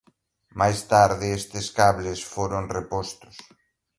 Máis tarde estes cables foron repostos.